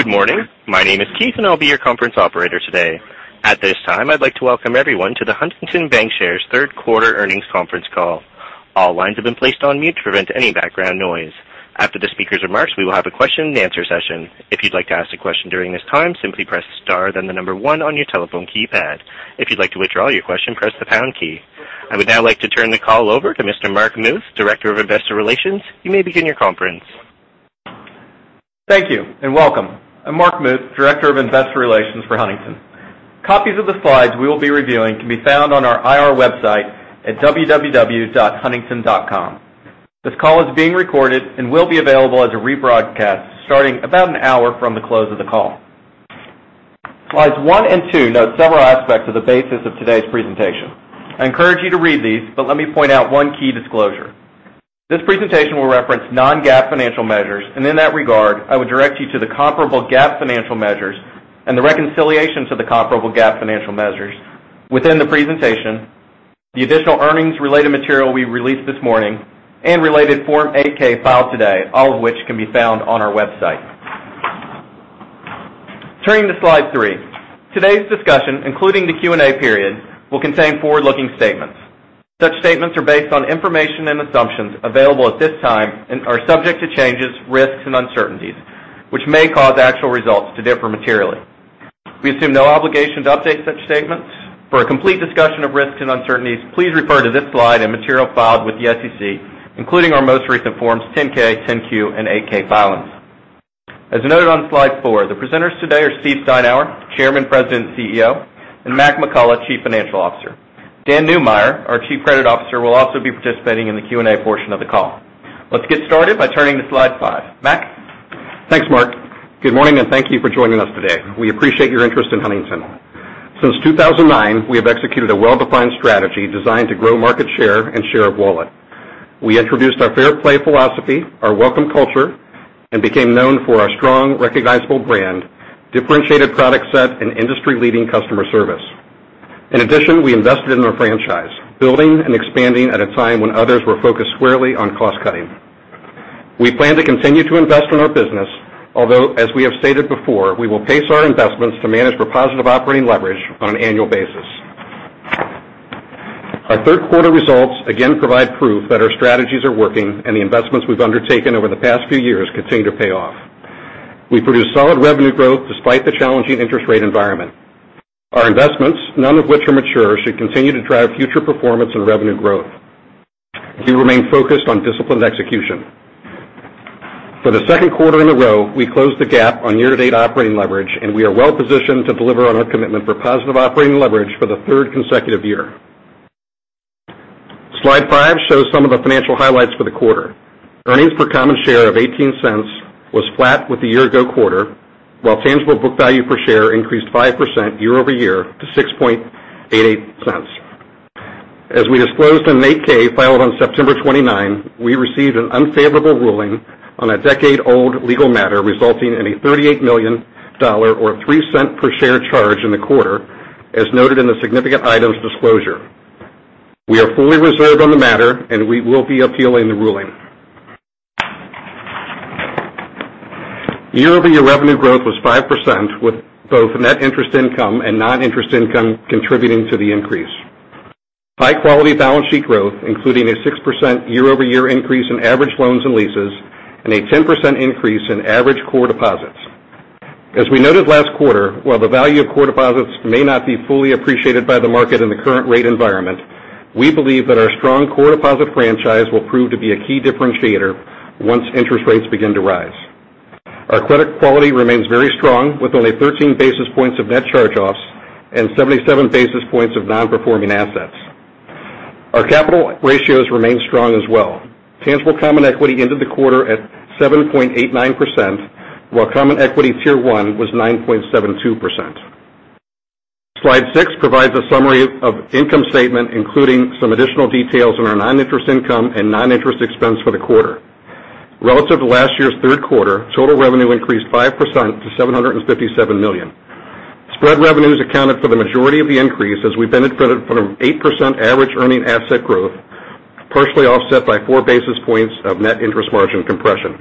Good morning. My name is Keith. I'll be your conference operator today. At this time, I'd like to welcome everyone to the Huntington Bancshares third quarter earnings conference call. All lines have been placed on mute to prevent any background noise. After the speaker's remarks, we will have a question and answer session. If you'd like to ask a question during this time, simply press star, then the number one on your telephone keypad. If you'd like to withdraw your question, press the pound key. I would now like to turn the call over to Mr. Mark Muth, Director of Investor Relations. You may begin your conference. Thank you. Welcome. I'm Mark Muth, Director of Investor Relations for Huntington. Copies of the slides we will be reviewing can be found on our IR website at www.huntington.com. This call is being recorded and will be available as a rebroadcast starting about an hour from the close of the call. Slides one and two note several aspects of the basis of today's presentation. I encourage you to read these. Let me point out one key disclosure. This presentation will reference non-GAAP financial measures. In that regard, I would direct you to the comparable GAAP financial measures and the reconciliations to the comparable GAAP financial measures within the presentation, the additional earnings-related material we released this morning, and related Form 8-K filed today, all of which can be found on our website. Turning to slide three. Today's discussion, including the Q&A period, will contain forward-looking statements. Such statements are based on information and assumptions available at this time and are subject to changes, risks, and uncertainties, which may cause actual results to differ materially. We assume no obligation to update such statements. For a complete discussion of risks and uncertainties, please refer to this slide and material filed with the SEC, including our most recent Forms 10-K, 10-Q, and 8-K filings. As noted on slide four, the presenters today are Steve Steinour, Chairman, President, CEO, and Mac McCullough, Chief Financial Officer. Dan Neumeyer, our Chief Credit Officer, will also be participating in the Q&A portion of the call. Let's get started by turning to slide five. Mac? Thanks, Mark. Good morning. Thank you for joining us today. We appreciate your interest in Huntington. Since 2009, we have executed a well-defined strategy designed to grow market share and share of wallet. We introduced our Fair Play philosophy, our Welcome culture, and became known for our strong, recognizable brand, differentiated product set, and industry-leading customer service. In addition, we invested in our franchise, building and expanding at a time when others were focused squarely on cost cutting. We plan to continue to invest in our business, although, as we have stated before, we will pace our investments to manage for positive operating leverage on an annual basis. Our third quarter results again provide proof that our strategies are working and the investments we've undertaken over the past few years continue to pay off. We produced solid revenue growth despite the challenging interest rate environment. Our investments, none of which are mature, should continue to drive future performance and revenue growth. We remain focused on disciplined execution. For the second quarter in a row, we closed the gap on year-to-date operating leverage, and we are well positioned to deliver on our commitment for positive operating leverage for the third consecutive year. Slide five shows some of the financial highlights for the quarter. Earnings per common share of $0.18 was flat with the year-ago quarter, while tangible book value per share increased 5% year-over-year to $6.88. As we disclosed in an 8-K filed on September 29, we received an unfavorable ruling on a decade-old legal matter, resulting in a $38 million or $0.03 per share charge in the quarter, as noted in the significant items disclosure. We are fully reserved on the matter. We will be appealing the ruling. Year-over-year revenue growth was 5%, with both net interest income and non-interest income contributing to the increase. High-quality balance sheet growth, including a 6% year-over-year increase in average loans and leases and a 10% increase in average core deposits. As we noted last quarter, while the value of core deposits may not be fully appreciated by the market in the current rate environment, we believe that our strong core deposit franchise will prove to be a key differentiator once interest rates begin to rise. Our credit quality remains very strong, with only 13 basis points of net charge-offs and 77 basis points of non-performing assets. Our capital ratios remain strong as well. Tangible common equity ended the quarter at 7.89%, while common equity tier 1 was 9.72%. Slide six provides a summary of income statement, including some additional details on our non-interest income and non-interest expense for the quarter. Relative to last year's third quarter, total revenue increased 5% to $757 million. Spread revenues accounted for the majority of the increase as we benefited from an 8% average earning asset growth, partially offset by four basis points of net interest margin compression.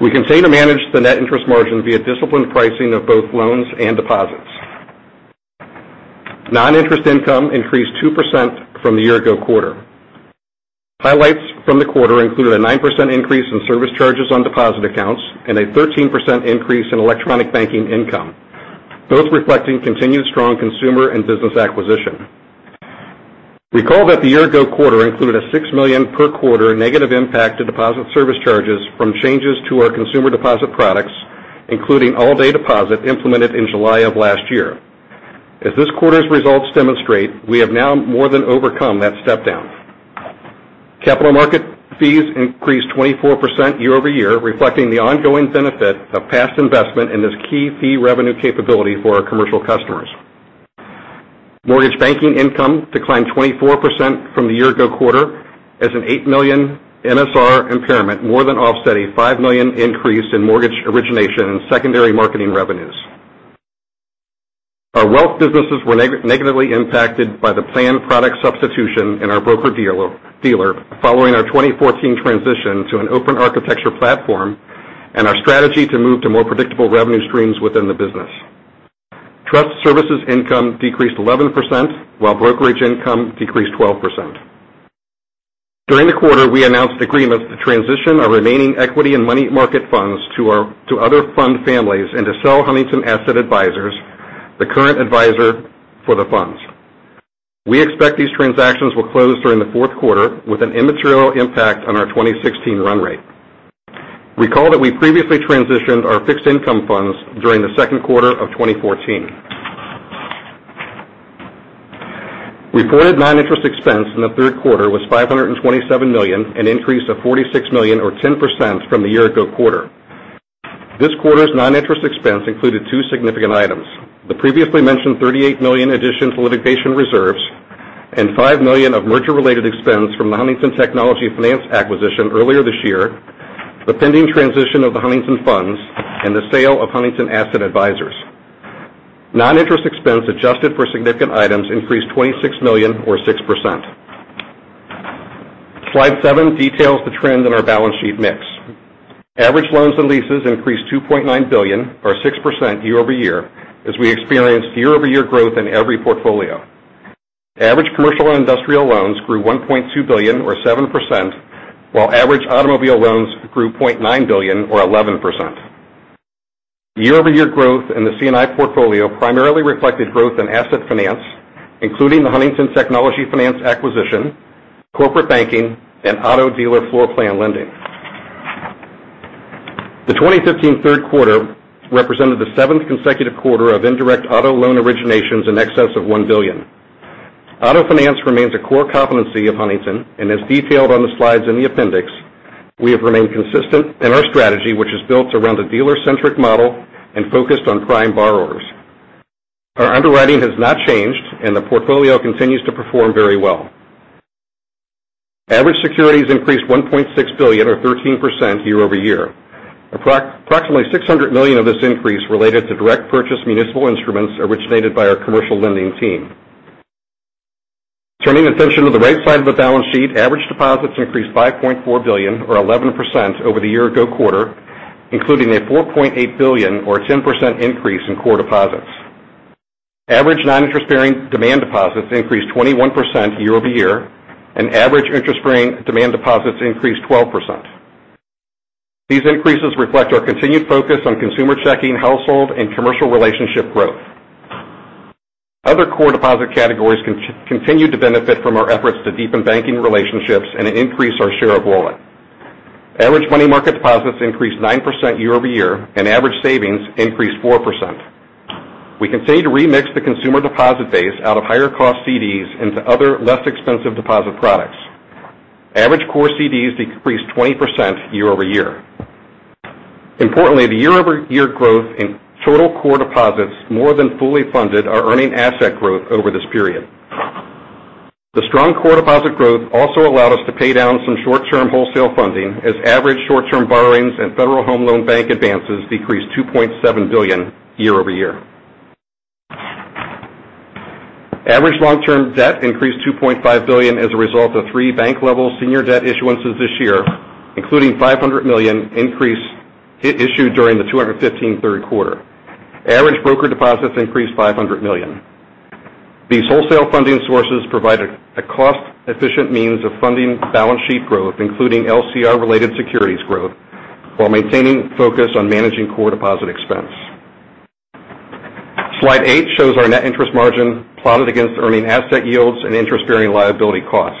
We continue to manage the net interest margin via disciplined pricing of both loans and deposits. Non-interest income increased 2% from the year-ago quarter. Highlights from the quarter included a 9% increase in service charges on deposit accounts and a 13% increase in electronic banking income, both reflecting continued strong consumer and business acquisition. Recall that the year-ago quarter included a $6 million per quarter negative impact to deposit service charges from changes to our consumer deposit products, including all-day deposit implemented in July of last year. As this quarter's results demonstrate, we have now more than overcome that step down. Capital market fees increased 24% year-over-year, reflecting the ongoing benefit of past investment in this key fee revenue capability for our commercial customers. Mortgage banking income declined 24% from the year-ago quarter as an $8 million MSR impairment more than offset a $5 million increase in mortgage origination and secondary marketing revenues. Our wealth businesses were negatively impacted by the planned product substitution in our broker dealer following our 2014 transition to an open architecture platform and our strategy to move to more predictable revenue streams within the business. Trust services income decreased 11%, while brokerage income decreased 12%. During the quarter, we announced agreements to transition our remaining equity and money market funds to other fund families and to sell Huntington Asset Advisors, the current advisor for the funds. We expect these transactions will close during the fourth quarter with an immaterial impact on our 2016 run rate. Recall that we previously transitioned our fixed income funds during the second quarter of 2014. Reported non-interest expense in the third quarter was $527 million, an increase of $46 million or 10% from the year-ago quarter. This quarter's non-interest expense included two significant items: the previously mentioned $38 million addition to litigation reserves and $5 million of merger-related expense from the Huntington Technology Finance acquisition earlier this year, the pending transition of the Huntington Funds, and the sale of Huntington Asset Advisors. Non-interest expense adjusted for significant items increased $26 million or 6%. Slide seven details the trend in our balance sheet mix. Average loans and leases increased $2.9 billion or 6% year-over-year, as we experienced year-over-year growth in every portfolio. Average commercial and industrial loans grew $1.2 billion or 7%, while average automobile loans grew $0.9 billion or 11%. Year-over-year growth in the C&I portfolio primarily reflected growth in asset finance, including the Huntington Technology Finance acquisition, corporate banking, and auto dealer floorplan lending. The 2015 third quarter represented the seventh consecutive quarter of indirect auto loan originations in excess of $1 billion. Auto finance remains a core competency of Huntington and as detailed on the slides in the appendix, we have remained consistent in our strategy, which is built around a dealer-centric model and focused on prime borrowers. Our underwriting has not changed, and the portfolio continues to perform very well. Average securities increased $1.6 billion or 13% year-over-year. Approximately $600 million of this increase related to direct purchase municipal instruments originated by our commercial lending team. Turning attention to the right side of the balance sheet, average deposits increased $5.4 billion or 11% over the year-ago quarter, including a $4.8 billion or 10% increase in core deposits. Average non-interest bearing demand deposits increased 21% year-over-year, and average interest bearing demand deposits increased 12%. These increases reflect our continued focus on consumer checking, household, and commercial relationship growth. Other core deposit categories continue to benefit from our efforts to deepen banking relationships and increase our share of wallet. Average money market deposits increased 9% year-over-year, and average savings increased 4%. We continue to remix the consumer deposit base out of higher cost CDs into other, less expensive deposit products. Average core CDs decreased 20% year-over-year. Importantly, the year-over-year growth in total core deposits more than fully funded our earning asset growth over this period. The strong core deposit growth also allowed us to pay down some short-term wholesale funding as average short-term borrowings and Federal Home Loan Bank advances decreased $2.7 billion year-over-year. Average long-term debt increased $2.5 billion as a result of three bank-level senior debt issuances this year, including $500 million issued during the 2015 third quarter. Average broker deposits increased $500 million. These wholesale funding sources provide a cost-efficient means of funding balance sheet growth, including LCR related securities growth, while maintaining focus on managing core deposit expense. Slide eight shows our net interest margin plotted against earning asset yields and interest bearing liability costs.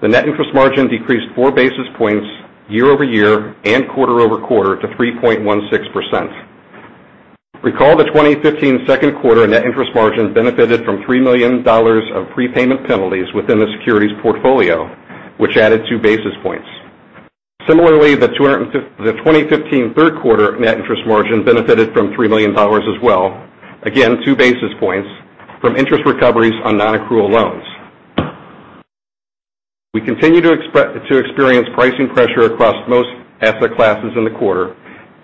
The net interest margin decreased four basis points year-over-year and quarter-over-quarter to 3.16%. Recall the 2015 second quarter net interest margin benefited from $3 million of prepayment penalties within the securities portfolio, which added two basis points. Similarly, the 2015 third quarter net interest margin benefited from $3 million as well, again, two basis points from interest recoveries on non-accrual loans. We continue to experience pricing pressure across most asset classes in the quarter.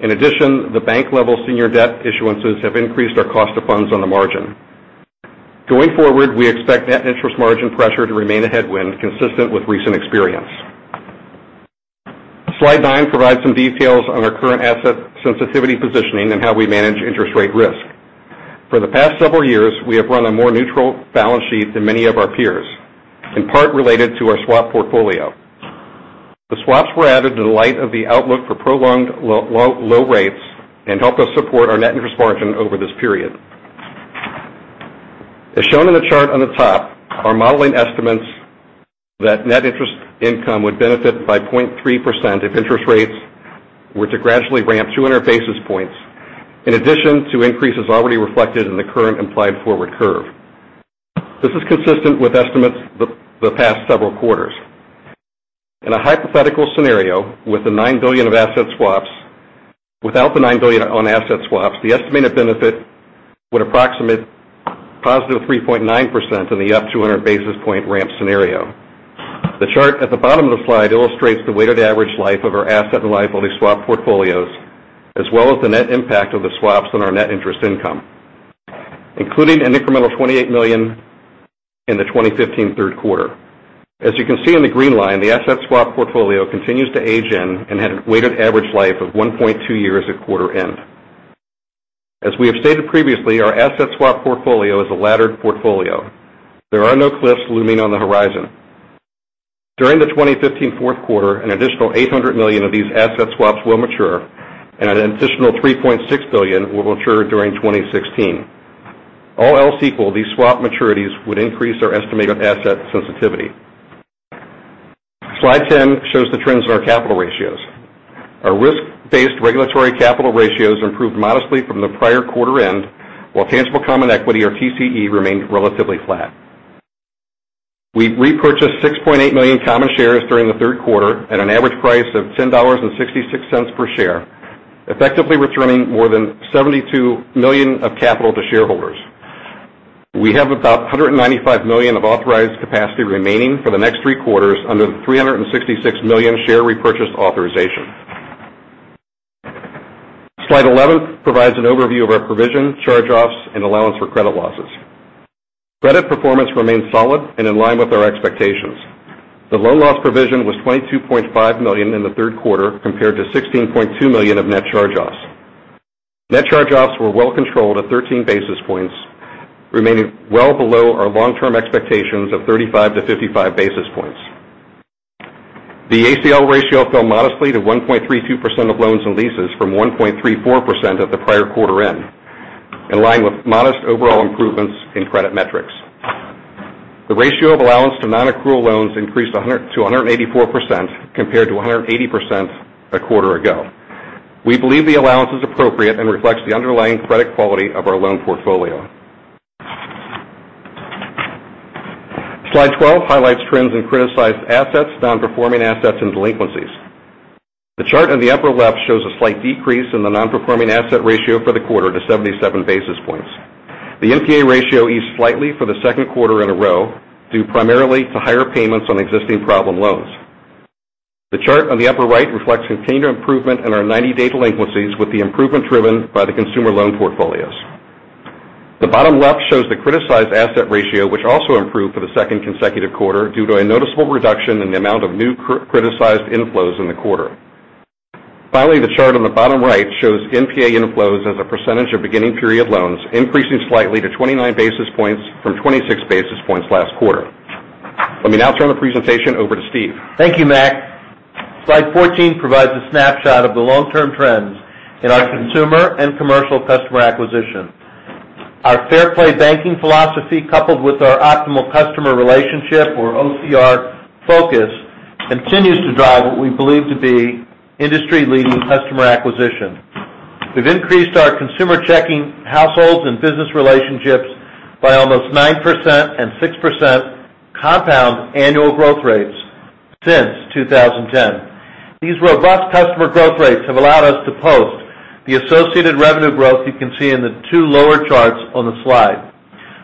In addition, the bank level senior debt issuances have increased our cost of funds on the margin. Going forward, we expect net interest margin pressure to remain a headwind consistent with recent experience. Slide nine provides some details on our current asset sensitivity positioning and how we manage interest rate risk. For the past several years, we have run a more neutral balance sheet than many of our peers, in part related to our swap portfolio. The swaps were added in light of the outlook for prolonged low rates and help us support our net interest margin over this period. As shown in the chart on the top, our modeling estimates that net interest income would benefit by 0.3% if interest rates were to gradually ramp 200 basis points, in addition to increases already reflected in the current implied forward curve. This is consistent with estimates the past several quarters. In a hypothetical scenario without the $9 billion on asset swaps, the estimated benefit would approximate positive 3.9% in the up 200 basis point ramp scenario. The chart at the bottom of the slide illustrates the weighted average life of our asset and liability swap portfolios, as well as the net impact of the swaps on our net interest income, including an incremental $28 million in the 2015 third quarter. As you can see in the green line, the asset swap portfolio continues to age in and had a weighted average life of 1.2 years at quarter end. As we have stated previously, our asset swap portfolio is a laddered portfolio. There are no cliffs looming on the horizon. During the 2015 fourth quarter, an additional $800 million of these asset swaps will mature, and an additional $3.6 billion will mature during 2016. All else equal, these swap maturities would increase our estimate of asset sensitivity. Slide 10 shows the trends in our capital ratios. Our risk-based regulatory capital ratios improved modestly from the prior quarter end, while tangible common equity, or TCE, remained relatively flat. We repurchased 6.8 million common shares during the third quarter at an average price of $10.66 per share, effectively returning more than $72 million of capital to shareholders. We have about $195 million of authorized capacity remaining for the next three quarters under the 366 million share repurchase authorization. Slide 11 provides an overview of our provision, charge-offs, and allowance for credit losses. Credit performance remains solid and in line with our expectations. The loan loss provision was $22.5 million in the third quarter, compared to $16.2 million of net charge-offs. Net charge-offs were well controlled at 13 basis points, remaining well below our long-term expectations of 35 to 55 basis points. The ACL ratio fell modestly to 1.32% of loans and leases from 1.34% at the prior quarter end, in line with modest overall improvements in credit metrics. The ratio of allowance to non-accrual loans increased to 184%, compared to 180% a quarter ago. We believe the allowance is appropriate and reflects the underlying credit quality of our loan portfolio. Slide 12 highlights trends in criticized assets, non-performing assets, and delinquencies. The chart in the upper left shows a slight decrease in the non-performing asset ratio for the quarter to 77 basis points. The NPA ratio eased slightly for the second quarter in a row, due primarily to higher payments on existing problem loans. The chart on the upper right reflects continued improvement in our 90-day delinquencies, with the improvement driven by the consumer loan portfolios. The bottom left shows the criticized asset ratio, which also improved for the second consecutive quarter due to a noticeable reduction in the amount of new criticized inflows in the quarter. Finally, the chart on the bottom right shows NPA inflows as a percentage of beginning period loans, increasing slightly to 29 basis points from 26 basis points last quarter. Let me now turn the presentation over to Steve. Thank you, Mac. Slide 14 provides a snapshot of the long-term trends in our consumer and commercial customer acquisition. Our Fair Play banking philosophy, coupled with our optimal customer relationship, or OCR focus, continues to drive what we believe to be industry-leading customer acquisition. We've increased our consumer checking households and business relationships by almost 9% and 6% compound annual growth rates since 2010. These robust customer growth rates have allowed us to post the associated revenue growth you can see in the two lower charts on the slide.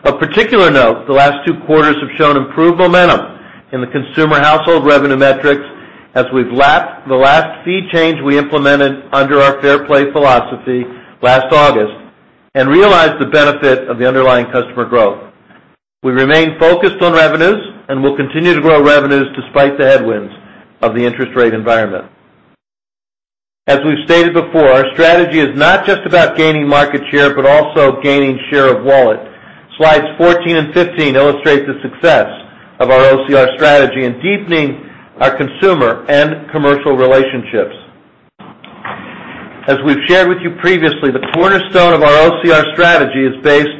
Of particular note, the last two quarters have shown improved momentum in the consumer household revenue metrics as we've lapped the last fee change we implemented under our Fair Play philosophy last August and realized the benefit of the underlying customer growth. We remain focused on revenues and will continue to grow revenues despite the headwinds of the interest rate environment. As we've stated before, our strategy is not just about gaining market share, but also gaining share of wallet. Slides 14 and 15 illustrate the success of our OCR strategy in deepening our consumer and commercial relationships. As we've shared with you previously, the cornerstone of our OCR strategy is based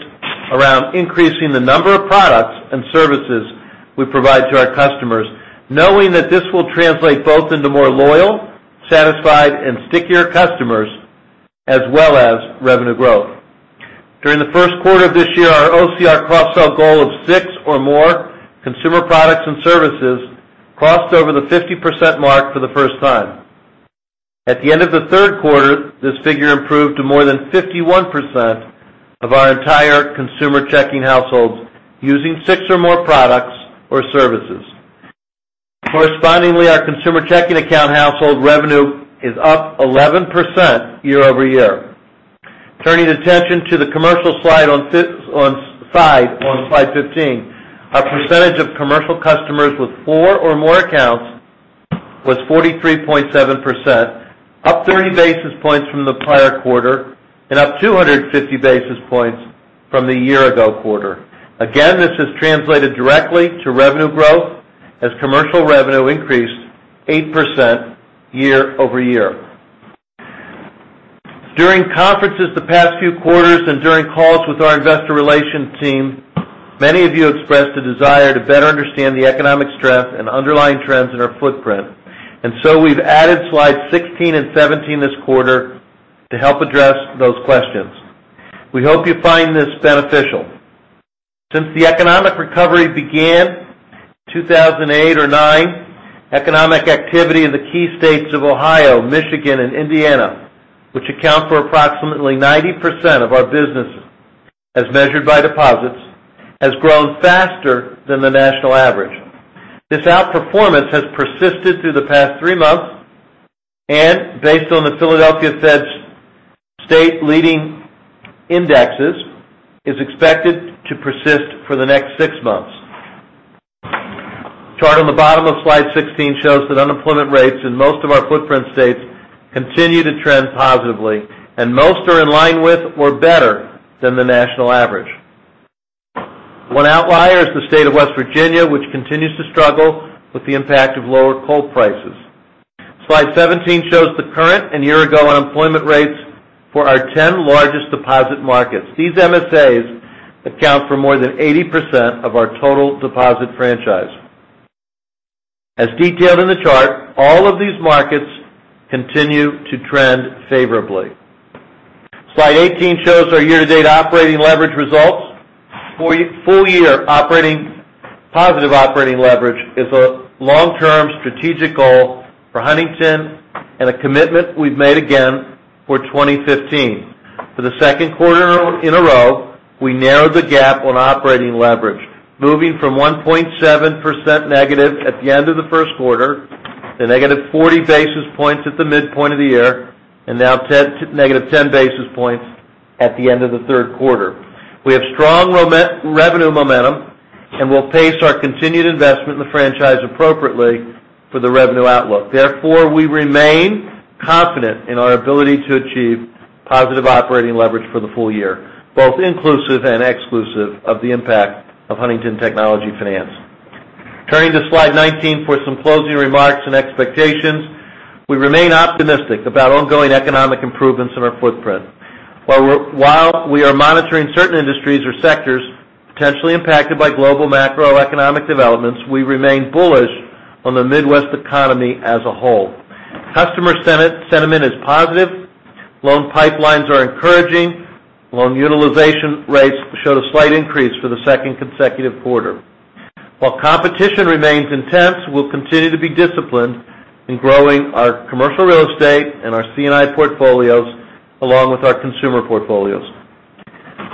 around increasing the number of products and services we provide to our customers, knowing that this will translate both into more loyal, satisfied, and stickier customers, as well as revenue growth. During the first quarter of this year, our OCR cross-sell goal of six or more consumer products and services crossed over the 50% mark for the first time. At the end of the third quarter, this figure improved to more than 51% of our entire consumer checking households using six or more products or services. Correspondingly, our consumer checking account household revenue is up 11% year-over-year. Turning attention to the commercial slide on slide 15, our percentage of commercial customers with four or more accounts was 43.7%, up 30 basis points from the prior quarter and up 250 basis points from the year-ago quarter. This has translated directly to revenue growth as commercial revenue increased 8% year-over-year. During conferences the past few quarters and during calls with our investor relations team, many of you expressed a desire to better understand the economic strength and underlying trends in our footprint. We've added slides 16 and 17 this quarter to help address those questions. We hope you find this beneficial. Since the economic recovery began in 2008 or 2009, economic activity in the key states of Ohio, Michigan, and Indiana, which account for approximately 90% of our business As measured by deposits, has grown faster than the national average. This outperformance has persisted through the past three months, and based on the Philadelphia Fed's state leading indexes, is expected to persist for the next six months. Chart on the bottom of slide 16 shows that unemployment rates in most of our footprint states continue to trend positively, and most are in line with or better than the national average. One outlier is the state of West Virginia, which continues to struggle with the impact of lower coal prices. Slide 17 shows the current and year-ago unemployment rates for our 10 largest deposit markets. These MSAs account for more than 80% of our total deposit franchise. As detailed in the chart, all of these markets continue to trend favorably. Slide 18 shows our year-to-date operating leverage results. Full-year positive operating leverage is a long-term strategic goal for Huntington, and a commitment we've made again for 2015. For the second quarter in a row, we narrowed the gap on operating leverage, moving from 1.7% negative at the end of the first quarter to negative 40 basis points at the midpoint of the year, and now negative 10 basis points at the end of the third quarter. We have strong revenue momentum and will pace our continued investment in the franchise appropriately for the revenue outlook. Therefore, we remain confident in our ability to achieve positive operating leverage for the full year, both inclusive and exclusive of the impact of Huntington Technology Finance. Turning to slide 19 for some closing remarks and expectations. We remain optimistic about ongoing economic improvements in our footprint. While we are monitoring certain industries or sectors potentially impacted by global macroeconomic developments, we remain bullish on the Midwest economy as a whole. Customer sentiment is positive. Loan pipelines are encouraging. Loan utilization rates showed a slight increase for the second consecutive quarter. While competition remains intense, we'll continue to be disciplined in growing our commercial real estate and our C&I portfolios, along with our consumer portfolios.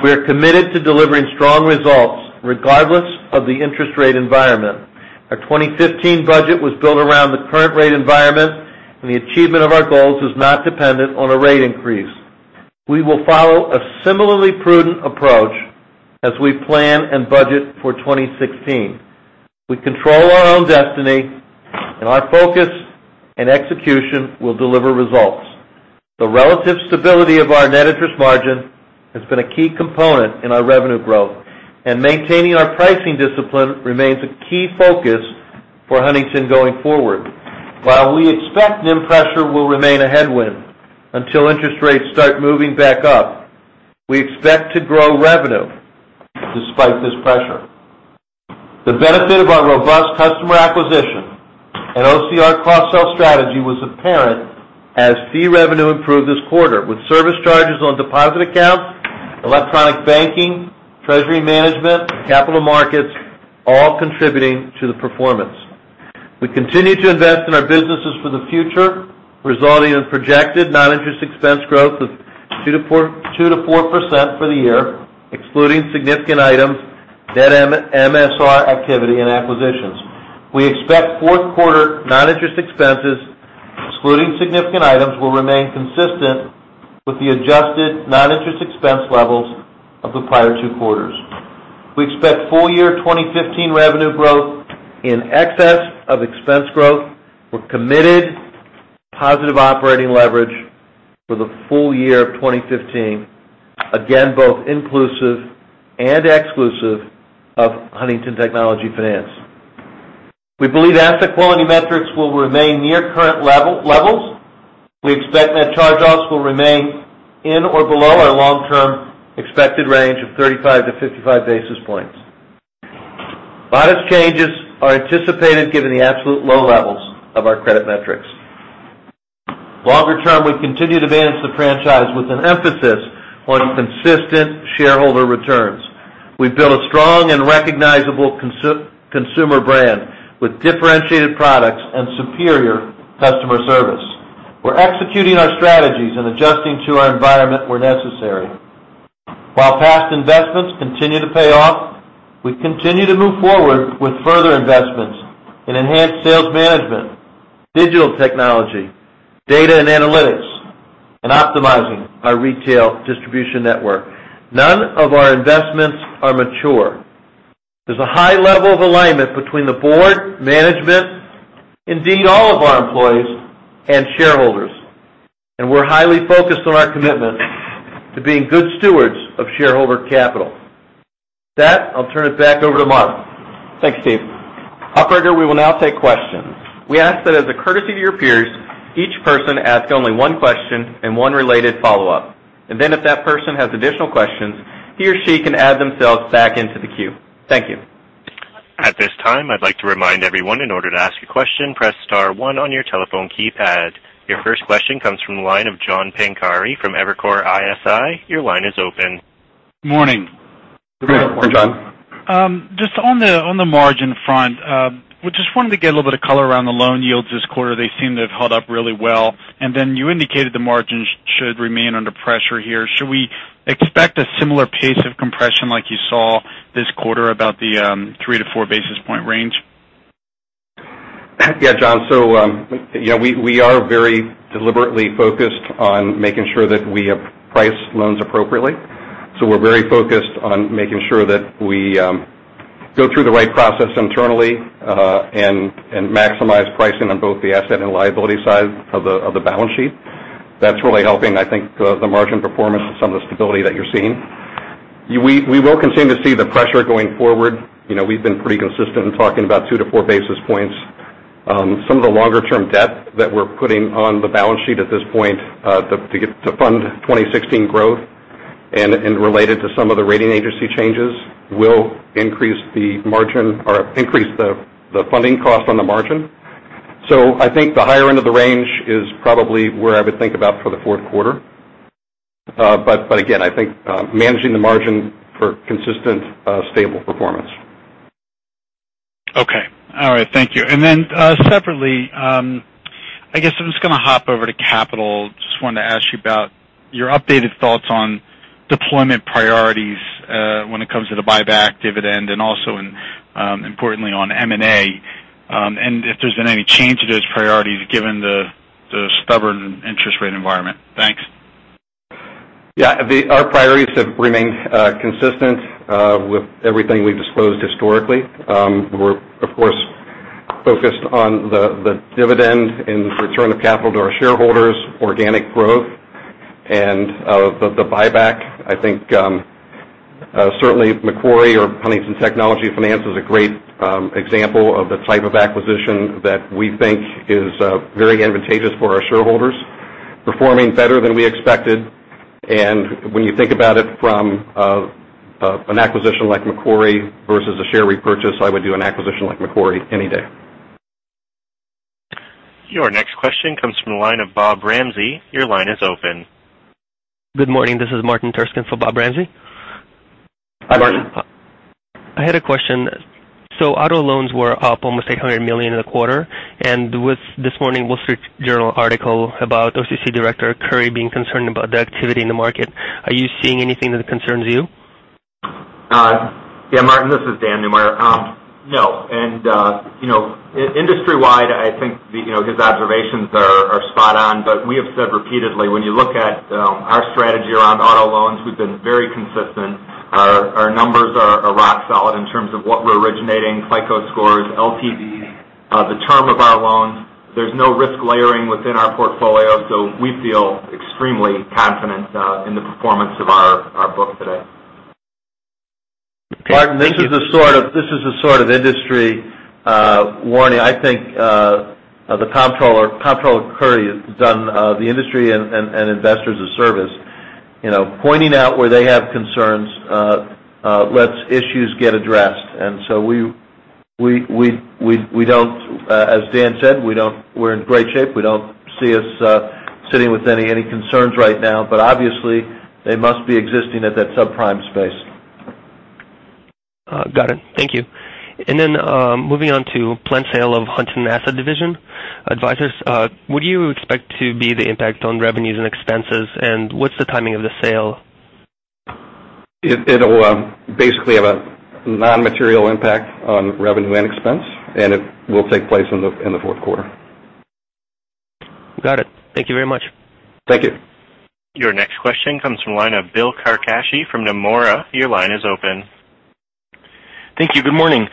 We are committed to delivering strong results regardless of the interest rate environment. Our 2015 budget was built around the current rate environment, and the achievement of our goals is not dependent on a rate increase. We will follow a similarly prudent approach as we plan and budget for 2016. We control our own destiny, and our focus and execution will deliver results. The relative stability of our net interest margin has been a key component in our revenue growth, and maintaining our pricing discipline remains a key focus for Huntington going forward. While we expect NIM pressure will remain a headwind until interest rates start moving back up, we expect to grow revenue despite this pressure. The benefit of our robust customer acquisition and OCR cross-sell strategy was apparent as fee revenue improved this quarter with service charges on deposit accounts, electronic banking, treasury management, and capital markets all contributing to the performance. We continue to invest in our businesses for the future, resulting in projected non-interest expense growth of 2%-4% for the year, excluding significant items, net MSR activity and acquisitions. We expect fourth quarter non-interest expenses, excluding significant items, will remain consistent with the adjusted non-interest expense levels of the prior two quarters. We expect full-year 2015 revenue growth in excess of expense growth. We're committed to positive operating leverage for the full year of 2015, again, both inclusive and exclusive of Huntington Technology Finance. We believe asset quality metrics will remain near current levels. We expect net charge-offs will remain in or below our long-term expected range of 35-55 basis points. Modest changes are anticipated given the absolute low levels of our credit metrics. Longer term, we continue to advance the franchise with an emphasis on consistent shareholder returns. We've built a strong and recognizable consumer brand with differentiated products and superior customer service. We're executing our strategies and adjusting to our environment where necessary. While past investments continue to pay off, we continue to move forward with further investments in enhanced sales management, digital technology, data and analytics, and optimizing our retail distribution network. None of our investments are mature. There's a high level of alignment between the board, management, indeed all of our employees, and shareholders, and we're highly focused on our commitment to being good stewards of shareholder capital. With that, I'll turn it back over to Mark. Thanks, Steve. Operator, we will now take questions. We ask that as a courtesy to your peers, each person ask only one question and one related follow-up. Then if that person has additional questions, he or she can add themselves back into the queue. Thank you. At this time, I'd like to remind everyone, in order to ask a question, press star one on your telephone keypad. Your first question comes from the line of John Pancari from Evercore ISI. Your line is open. Morning Good morning, John. Just on the margin front, we just wanted to get a little bit of color around the loan yields this quarter. They seem to have held up really well. Then you indicated the margins should remain under pressure here. Should we expect a similar pace of compression like you saw this quarter about the 3-4 basis point range? Yeah, John. We are very deliberately focused on making sure that we price loans appropriately. We're very focused on making sure that we go through the right process internally, and maximize pricing on both the asset and liability side of the balance sheet. That's really helping, I think, the margin performance and some of the stability that you're seeing. We will continue to see the pressure going forward. We've been pretty consistent in talking about 2-4 basis points. Some of the longer term debt that we're putting on the balance sheet at this point to fund 2016 growth and related to some of the rating agency changes will increase the margin or increase the funding cost on the margin. I think the higher end of the range is probably where I would think about for the fourth quarter. Again, I think managing the margin for consistent, stable performance. Okay. All right. Thank you. Separately, I guess I'm just going to hop over to capital. Just wanted to ask you about your updated thoughts on deployment priorities when it comes to the buyback dividend, and also importantly on M&A, and if there's been any change to those priorities given the stubborn interest rate environment. Thanks. Yeah. Our priorities have remained consistent with everything we've disclosed historically. We're, of course, focused on the dividend and return of capital to our shareholders, organic growth, and the buyback. I think certainly Macquarie or Huntington Technology Finance is a great example of the type of acquisition that we think is very advantageous for our shareholders. Performing better than we expected. When you think about it from an acquisition like Macquarie versus a share repurchase, I would do an acquisition like Macquarie any day. Your next question comes from the line of Bob Ramsey. Your line is open. Good morning. This is Martin Terskin for Bob Ramsey. Hi, Martin. I had a question. Auto loans were up almost $800 million in a quarter. With this morning The Wall Street Journal article about OCC Director Curry being concerned about the activity in the market, are you seeing anything that concerns you? Yeah, Martin, this is Dan Neumeyer. No. Industry-wide, I think his observations are spot on. We have said repeatedly, when you look at our strategy around auto loans, we've been very consistent. Our numbers are rock solid in terms of what we're originating, FICO scores, LTVs, the term of our loans. There's no risk layering within our portfolio. We feel extremely confident in the performance of our book today. Okay. Thank you. Martin, this is the sort of industry warning, I think, the Comptroller Thomas Curry has done the industry and investors a service. Pointing out where they have concerns lets issues get addressed. As Dan said, we're in great shape. We don't see us sitting with any concerns right now. Obviously, they must be existing at that subprime space. Got it. Thank you. Moving on to planned sale of Huntington Asset Advisors. What do you expect to be the impact on revenues and expenses, and what's the timing of the sale? It'll basically have a non-material impact on revenue and expense, and it will take place in the fourth quarter. Got it. Thank you very much. Thank you. Your next question comes from the line of Bill Carcache from Nomura. Your line is open. Thank you. Good morning.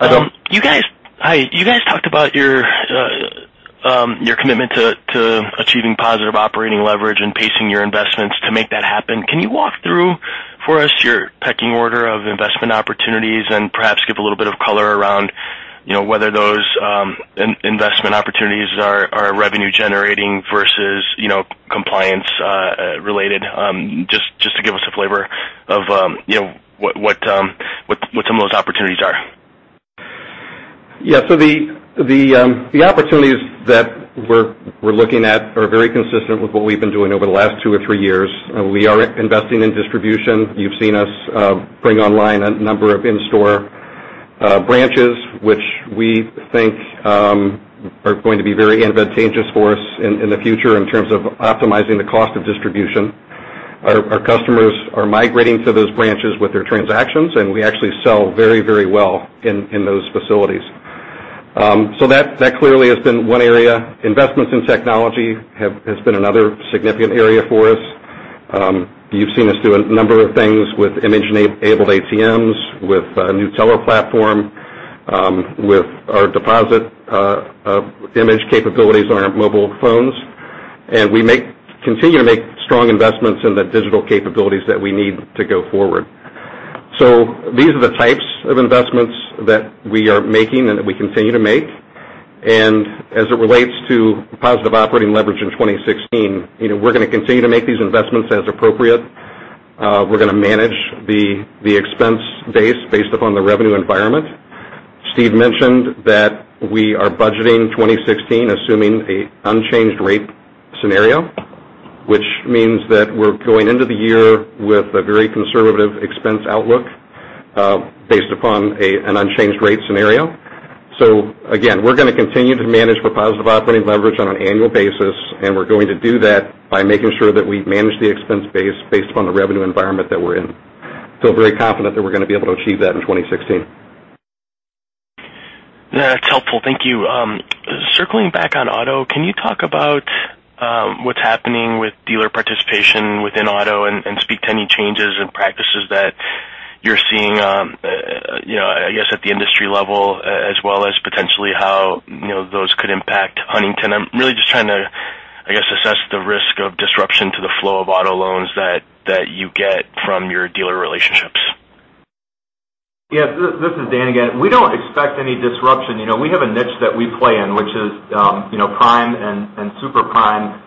Hello. Hi. You guys talked about your commitment to achieving positive operating leverage and pacing your investments to make that happen. Can you walk through for us your pecking order of investment opportunities and perhaps give a little bit of color around whether those investment opportunities are revenue generating versus compliance related? Just to give us a flavor of what some of those opportunities are. Yeah. The opportunities that we're looking at are very consistent with what we've been doing over the last two or three years. We are investing in distribution. You've seen us bring online a number of in-store branches, which we think are going to be very advantageous for us in the future in terms of optimizing the cost of distribution. Our customers are migrating to those branches with their transactions, and we actually sell very well in those facilities. That clearly has been one area. Investments in technology has been another significant area for us. You've seen us do a number of things with image-enabled ATMs, with a new teller platform, with our deposit image capabilities on our mobile phones. We continue to make strong investments in the digital capabilities that we need to go forward. These are the types of investments that we are making and that we continue to make. As it relates to positive operating leverage in 2016, we're going to continue to make these investments as appropriate. We're going to manage the expense base based upon the revenue environment. Steve mentioned that we are budgeting 2016 assuming an unchanged rate scenario, which means that we're going into the year with a very conservative expense outlook based upon an unchanged rate scenario. Again, we're going to continue to manage for positive operating leverage on an annual basis, and we're going to do that by making sure that we manage the expense base based upon the revenue environment that we're in. Feel very confident that we're going to be able to achieve that in 2016. That's helpful. Thank you. Circling back on auto, can you talk about what's happening with dealer participation within auto and speak to any changes or practices that you're seeing, I guess, at the industry level as well as potentially how those could impact Huntington? I'm really just trying to, I guess, assess the risk of disruption to the flow of auto loans that you get from your dealer relationships. Yes. This is Dan again. We don't expect any disruption. We have a niche that we play in, which is prime and super prime.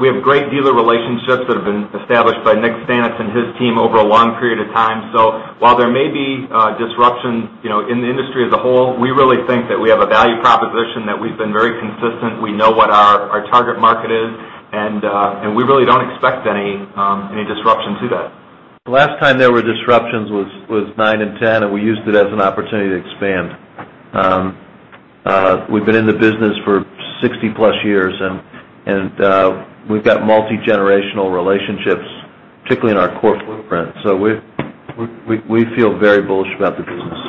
We have great dealer relationships that have been established by Nick Stanutz and his team over a long period of time. While there may be disruption in the industry as a whole, we really think that we have a value proposition, that we've been very consistent. We know what our target market is, and we really don't expect any disruption to that. The last time there were disruptions was 2009 and 2010, and we used it as an opportunity to expand. We've been in the business for 60+ years, and we've got multi-generational relationships, particularly in our core footprint. We feel very bullish about the business.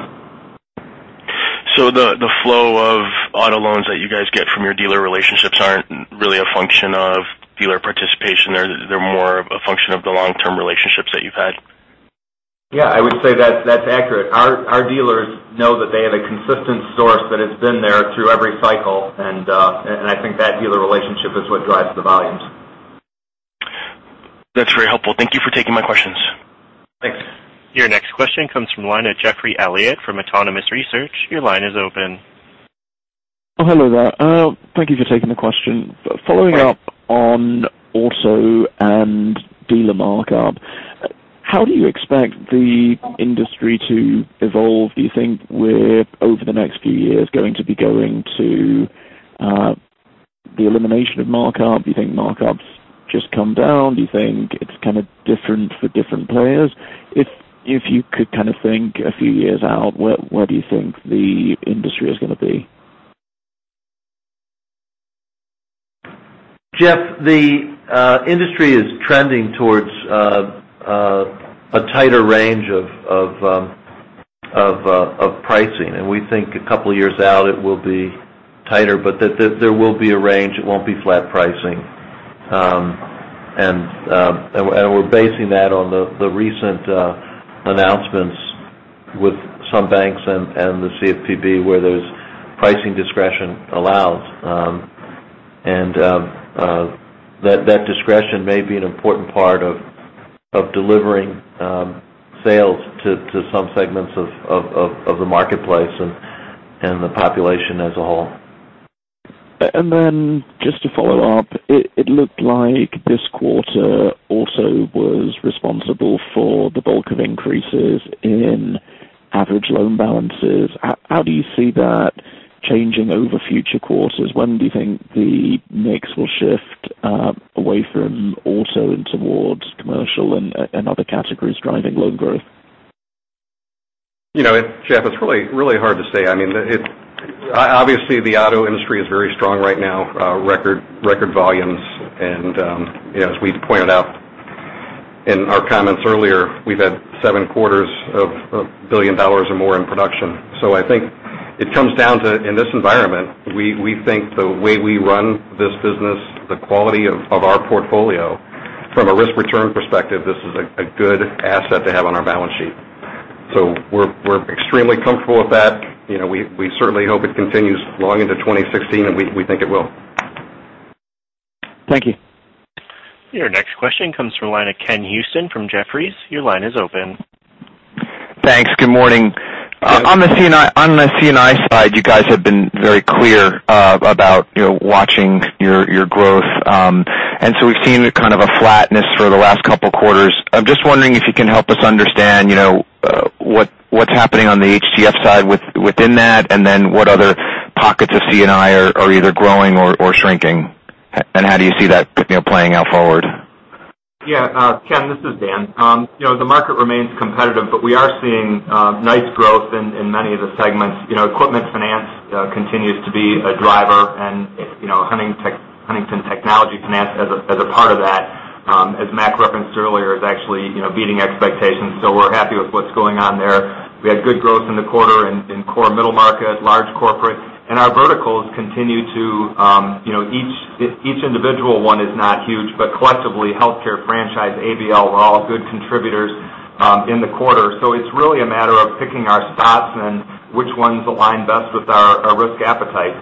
The flow of auto loans that you guys get from your dealer relationships aren't really a function of dealer participation. They're more of a function of the long-term relationships that you've had. Yeah, I would say that's accurate. Our dealers know that they have a consistent source that has been there through every cycle, and I think that dealer relationship is what drives the volumes. That's very helpful. Thank you for taking my questions. Thanks. Your next question comes from the line of Geoffrey Elliott from Autonomous Research. Your line is open. Oh, hello there. Thank you for taking the question. Right. Following up on auto and dealer markup, how do you expect the industry to evolve? Do you think we're, over the next few years, going to be going to the elimination of markup? Do you think markups just come down? Do you think it's kind of different for different players? If you could kind of think a few years out, where do you think the industry is going to be? Geoff, the industry is trending towards a tighter range of pricing, we think a couple of years out it will be tighter, but there will be a range. It won't be flat pricing. We're basing that on the recent announcements with some banks and the CFPB where there's pricing discretion allows. That discretion may be an important part of delivering sales to some segments of the marketplace and the population as a whole. Just to follow up, it looked like this quarter also was responsible for the bulk of increases in average loan balances. How do you see that changing over future courses? When do you think the mix will shift away from auto and towards commercial and other categories driving loan growth? Geoff, it's really hard to say. Obviously, the auto industry is very strong right now, record volumes. As we pointed out in our comments earlier, we've had seven quarters of $1 billion or more in production. I think it comes down to, in this environment, we think the way we run this business, the quality of our portfolio from a risk return perspective, this is a good asset to have on our balance sheet. We're extremely comfortable with that. We certainly hope it continues long into 2016, we think it will. Thank you. Your next question comes from the line of Ken Usdin from Jefferies. Your line is open. Thanks. Good morning. Good. On the C&I side, you guys have been very clear about watching your growth. We've seen kind of a flatness for the last couple of quarters. I'm just wondering if you can help us understand what's happening on the HTF side within that, and then what other pockets of C&I are either growing or shrinking. How do you see that playing out forward? Yeah. Ken, this is Dan. The market remains competitive. We are seeing nice growth in many of the segments. Equipment finance continues to be a driver, and Huntington Technology Finance as a part of that, as Mac referenced earlier, is actually beating expectations. We're happy with what's going on there. We had good growth in the quarter in core middle market, large corporate. Our verticals continue, each individual one is not huge, but collectively, healthcare franchise, ABL were all good contributors in the quarter. It's really a matter of picking our spots and which ones align best with our risk appetite.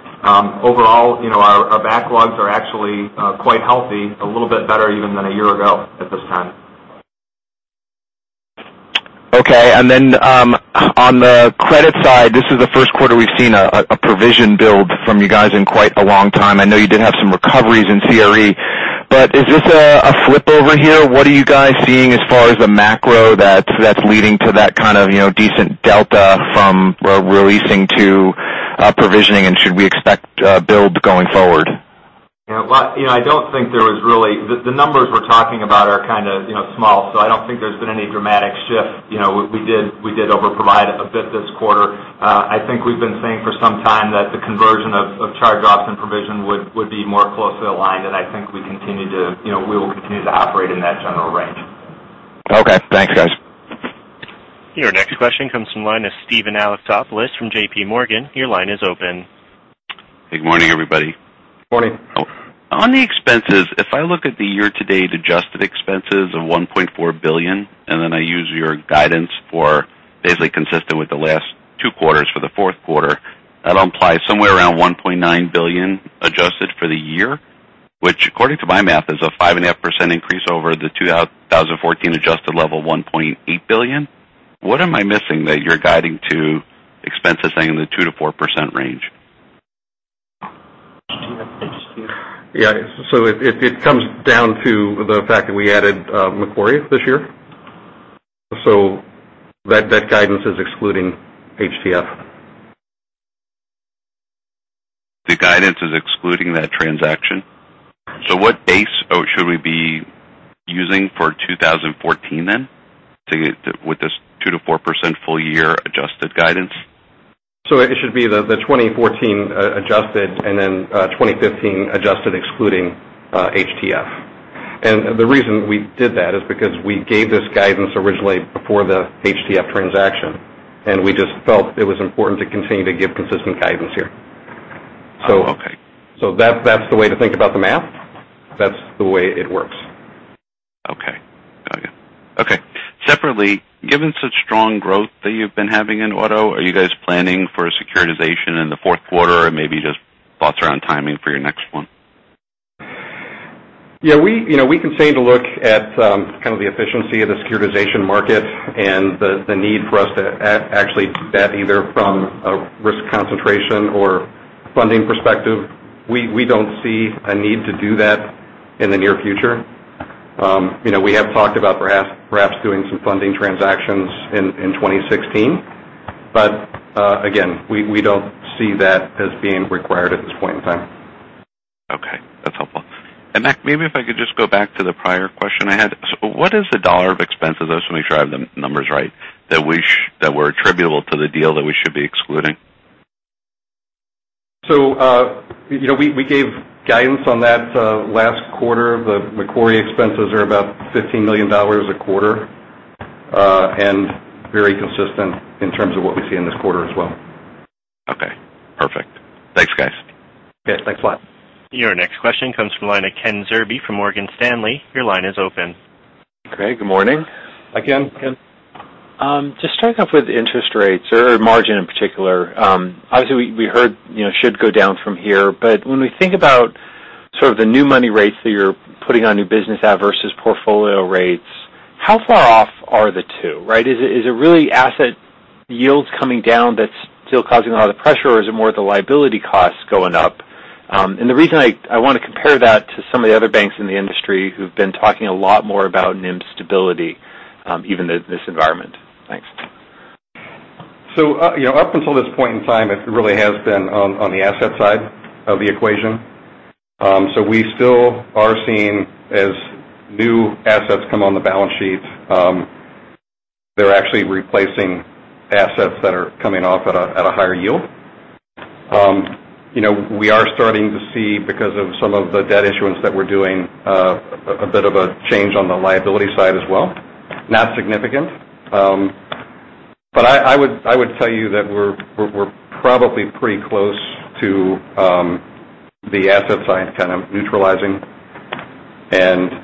Overall, our backlogs are actually quite healthy, a little bit better even than a year ago at this time. Okay. Then on the credit side, this is the first quarter we've seen a provision build from you guys in quite a long time. I know you did have some recoveries in CRE. Is this a flip over here? What are you guys seeing as far as the macro that's leading to that kind of decent delta from releasing to provisioning, and should we expect build going forward? The numbers we're talking about are kind of small. I don't think there's been any dramatic shift. We did over-provide a bit this quarter. I think we've been saying for some time that the conversion of charge-offs and provision would be more closely aligned, I think we will continue to operate in that general range. Okay, thanks, guys. Your next question comes from the line of Steven Alexopoulos from JPMorgan. Your line is open. Good morning, everybody. Morning. On the expenses, if I look at the year-to-date adjusted expenses of $1.4 billion, and then I use your guidance for basically consistent with the last two quarters for the fourth quarter, that implies somewhere around $1.9 billion adjusted for the year, which according to my math is a 5.5% increase over the 2014 adjusted level of $1.8 billion. What am I missing that you're guiding to expenses saying in the 2%-4% range? Yeah. It comes down to the fact that we added Macquarie this year. That guidance is excluding HTF. The guidance is excluding that transaction. What base should we be using for 2014 then with this 2%-4% full year adjusted guidance? It should be the 2014 adjusted and then 2015 adjusted excluding HTF. The reason we did that is because we gave this guidance originally before the HTF transaction, and we just felt it was important to continue to give consistent guidance here. Oh, okay. That's the way to think about the math. That's the way it works. Okay. Got you. Okay. Separately, given such strong growth that you've been having in auto, are you guys planning for a securitization in the fourth quarter or maybe just thoughts around timing for your next one? We continue to look at kind of the efficiency of the securitization market and the need for us to actually do that, either from a risk concentration or funding perspective. We don't see a need to do that in the near future. We have talked about perhaps doing some funding transactions in 2016. Again, we don't see that as being required at this point in time. Okay. That's helpful. Maybe if I could just go back to the prior question I had. What is the dollar of expenses, just want to make sure I have the numbers right, that were attributable to the deal that we should be excluding? We gave guidance on that last quarter. The Macquarie expenses are about $15 million a quarter, very consistent in terms of what we see in this quarter as well. Okay. Perfect. Thanks, guys. Okay. Thanks a lot. Your next question comes from the line of Kenneth Zerbe from Morgan Stanley. Your line is open. Okay. Good morning. Hi, Ken. Ken. Just starting off with interest rates or margin in particular. Obviously, we heard it should go down from here. When we think about sort of the new money rates that you're putting on new business at versus portfolio rates, how far off are the two, right? Is it really asset yields coming down that's still causing a lot of pressure, or is it more the liability costs going up? The reason I want to compare that to some of the other banks in the industry who've been talking a lot more about NIM stability, even in this environment. Thanks. Up until this point in time, it really has been on the asset side of the equation. We still are seeing as new assets come on the balance sheet they're actually replacing assets that are coming off at a higher yield. We are starting to see because of some of the debt issuance that we're doing, a bit of a change on the liability side as well. Not significant. I would tell you that we're probably pretty close to the asset side kind of neutralizing.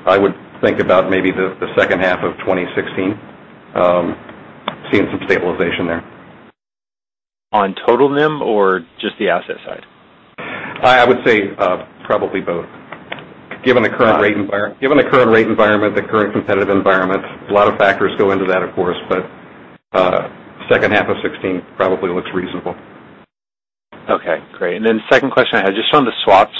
I would think about maybe the second half of 2016 seeing some stabilization there. On total NIM or just the asset side? I would say probably both. Given the current rate environment, the current competitive environment. A lot of factors go into that, of course, but second half of 2016 probably looks reasonable. Okay. Great. Then second question I had, just on the swaps.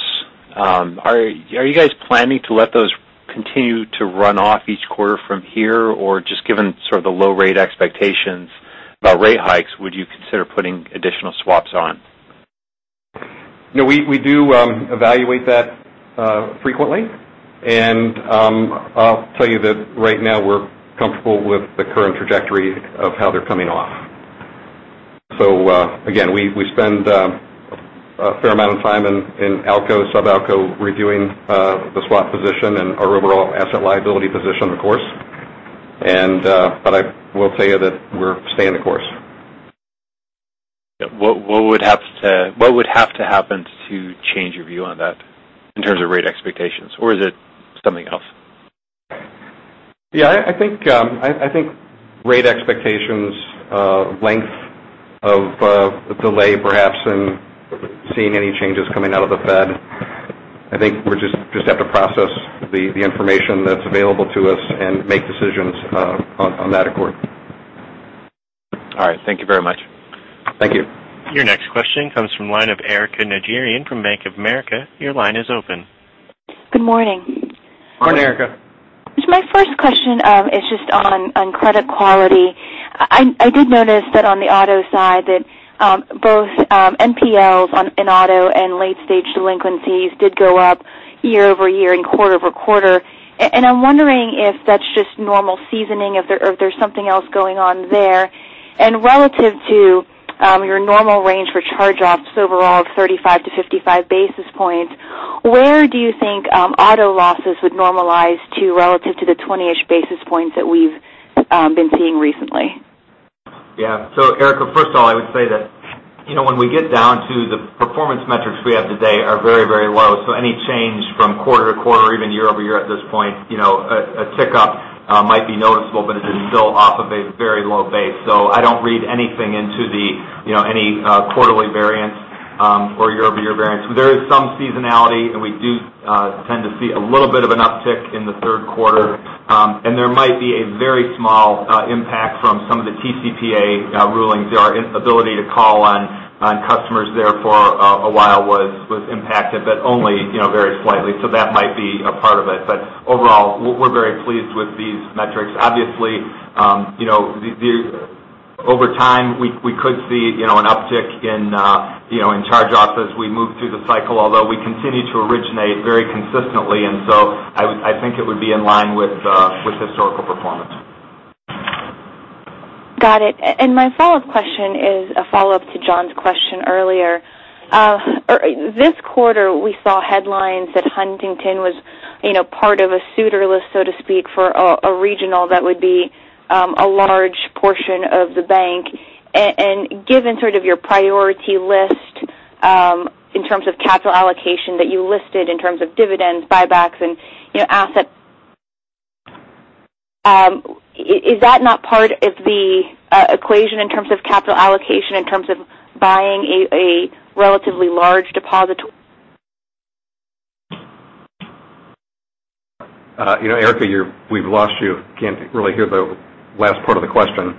Are you guys planning to let those continue to run off each quarter from here? Or just given sort of the low rate expectations about rate hikes, would you consider putting additional swaps on? We do evaluate that frequently. I'll tell you that right now we're comfortable with the current trajectory of how they're coming off. Again, we spend a fair amount of time in ALCO, Sub-ALCO reviewing the swap position and our overall asset liability position, of course. I will tell you that we're staying the course. What would have to happen to change your view on that in terms of rate expectations? Is it something else? Yeah, I think rate expectations, length of delay perhaps in seeing any changes coming out of the Fed. I think we just have to process the information that's available to us and make decisions on that accord. All right. Thank you very much. Thank you. Your next question comes from the line of Erika Najarian from Bank of America. Your line is open. Good morning. Morning, Erika. My first question is just on credit quality. I did notice that on the auto side, that both NPLs in auto and late-stage delinquencies did go up year-over-year and quarter-over-quarter. I'm wondering if that's just normal seasoning, or if there's something else going on there. Relative to your normal range for charge-offs overall of 35-55 basis points, where do you think auto losses would normalize to relative to the 20-ish basis points that we've been seeing recently? Yeah, Erika, first of all, I would say that when we get down to the performance metrics we have today are very low. Any change from quarter-to-quarter, even year-over-year at this point, a tick up might be noticeable, but it is still off of a very low base. I don't read anything into any quarterly variance or year-over-year variance. There is some seasonality, we do tend to see a little bit of an uptick in the third quarter. There might be a very small impact from some of the TCPA rulings. Our ability to call on customers there for a while was impacted, but only very slightly. That might be a part of it. Overall, we're very pleased with these metrics. Obviously, over time, we could see an uptick in charge-offs as we move through the cycle, although we continue to originate very consistently. I think it would be in line with historical performance. Got it. My follow-up question is a follow-up to John's question earlier. This quarter, we saw headlines that Huntington was part of a suitor list, so to speak, for a regional that would be a large portion of the bank. Given sort of your priority list in terms of capital allocation that you listed in terms of dividends, buybacks and asset. Is that not part of the equation in terms of capital allocation, in terms of buying a relatively large deposit? Erika, we've lost you. Can't really hear the last part of the question.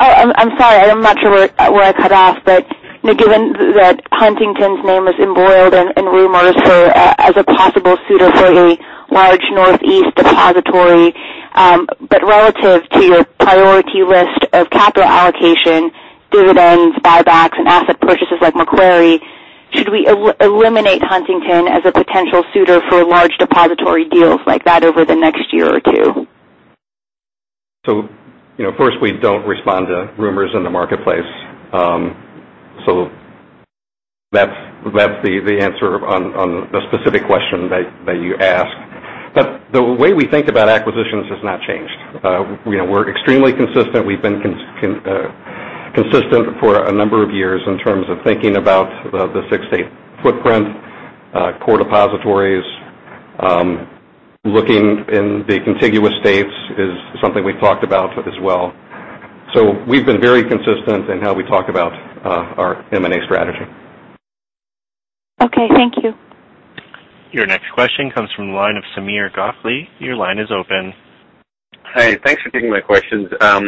Oh, I'm sorry. I'm not sure where I cut off. Given that Huntington's name was embroiled in rumors as a possible suitor for a large Northeast depository. Relative to your priority list of capital allocation, dividends, buybacks, and asset purchases like Macquarie, should we eliminate Huntington as a potential suitor for large depository deals like that over the next year or two? First, we don't respond to rumors in the marketplace. That's the answer on the specific question that you asked. The way we think about acquisitions has not changed. We're extremely consistent. We've been consistent for a number of years in terms of thinking about the six-state footprint, core depositories. Looking in the contiguous states is something we've talked about as well. We've been very consistent in how we talk about our M&A strategy. Okay. Thank you. Your next question comes from the line of Sameer Gokhale. Your line is open. Hi. Thanks for taking my questions. I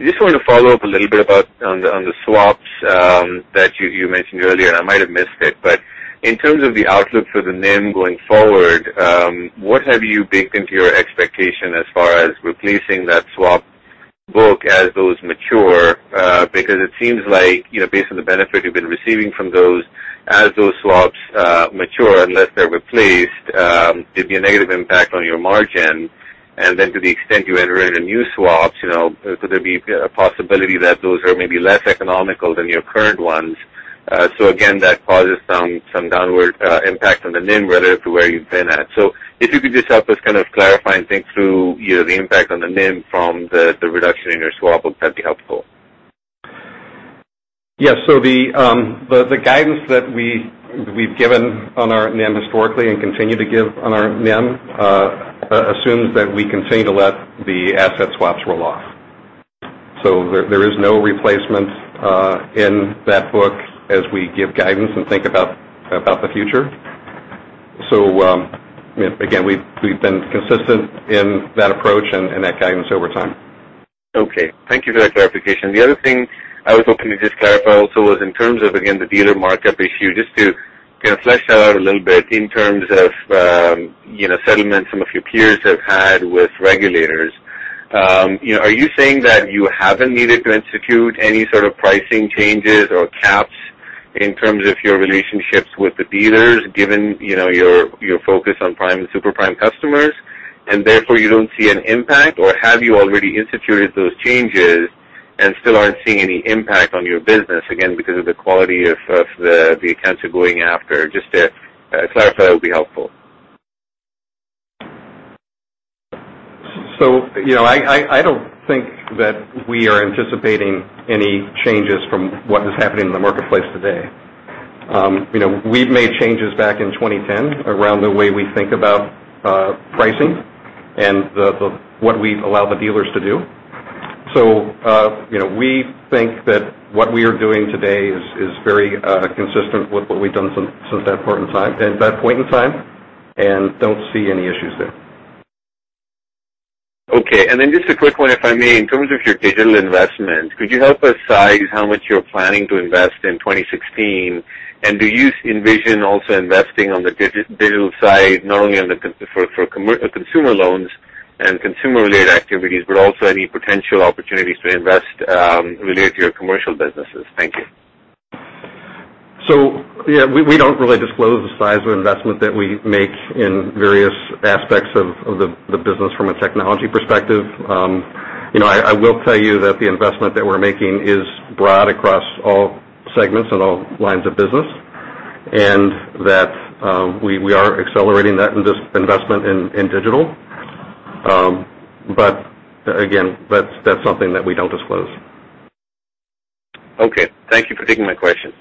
just want to follow up a little bit about on the swaps that you mentioned earlier, and I might have missed it. In terms of the outlook for the NIM going forward, what have you baked into your expectation as far as replacing that swap book as those mature? Because it seems like based on the benefit you've been receiving from those, as those swaps mature, unless they're replaced, there'd be a negative impact on your margin. Then to the extent you enter into new swaps, could there be a possibility that those are maybe less economical than your current ones? Again, that causes some downward impact on the NIM relative to where you've been at. If you could just help us kind of clarify and think through the impact on the NIM from the reduction in your swap, that'd be helpful. The guidance that we've given on our NIM historically and continue to give on our NIM assumes that we continue to let the asset swaps roll off. There is no replacement in that book as we give guidance and think about the future. Again, we've been consistent in that approach and that guidance over time. Okay. Thank you for that clarification. The other thing I was hoping to just clarify also was in terms of, again, the dealer markup issue, just to kind of flesh that out a little bit in terms of settlements some of your peers have had with regulators. Are you saying that you haven't needed to institute any sort of pricing changes or caps in terms of your relationships with the dealers, given your focus on prime and super prime customers, and therefore you don't see an impact? Or have you already instituted those changes and still aren't seeing any impact on your business, again, because of the quality of the accounts you're going after? Just to clarify, that would be helpful. I don't think that we are anticipating any changes from what is happening in the marketplace today. We've made changes back in 2010 around the way we think about pricing and what we allow the dealers to do. We think that what we are doing today is very consistent with what we've done since that point in time, and don't see any issues there. Okay. Then just a quick one, if I may. In terms of your digital investment, could you help us size how much you're planning to invest in 2016? Do you envision also investing on the digital side, not only for consumer loans and consumer-related activities, but also any potential opportunities to invest related to your commercial businesses? Thank you. Yeah, we don't really disclose the size of investment that we make in various aspects of the business from a technology perspective. I will tell you that the investment that we're making is broad across all segments and all lines of business, and that we are accelerating that investment in digital. Again, that's something that we don't disclose. Okay. Thank you for taking my question.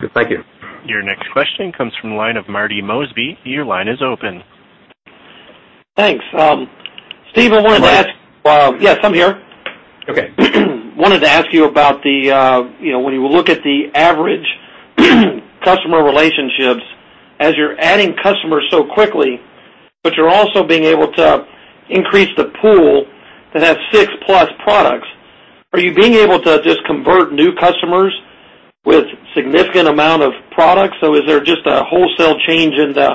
Good. Thank you. Your next question comes from the line of Marty Mosby. Your line is open. Thanks. Steve, I wanted to ask- Marty? Yes, I'm here. Okay. I wanted to ask you about the, when you look at the average customer relationships, as you're adding customers so quickly, but you're also being able to increase the pool that has six-plus products, are you being able to just convert new customers with significant amount of products? Is there just a wholesale change in the